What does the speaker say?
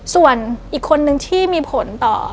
ส่วนอีกคนนึงที่มีผลต่อ